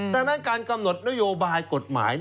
ดังนั้นการกำหนดนโยบายกฎหมาย